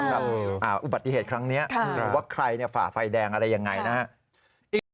สำหรับอุบัติเหตุครั้งนี้ว่าใครฝ่าไฟแดงอะไรอย่างไร